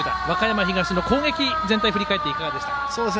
和歌山東の攻撃全体振り返っていかがでしたか。